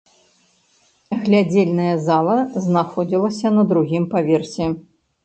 Глядзельная зала знаходзілася на другім паверсе.